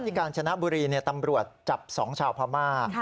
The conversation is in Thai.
การชนะบุรีตำรวจจับ๒ชาวพม่า